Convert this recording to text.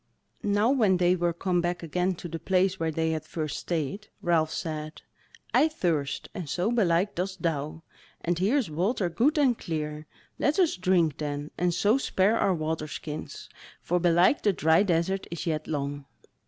Now when they were come back again to the place where they had first stayed, Ralph said: "I thirst, and so belike dost thou; and here is water good and clear; let us drink then, and so spare our water skins, for belike the dry desert is yet long."